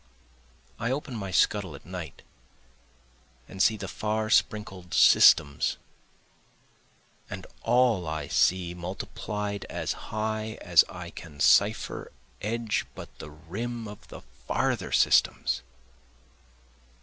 I open my scuttle at night and see the far sprinkled systems, And all I see multiplied as high as I can cipher edge but the rim of the farther systems.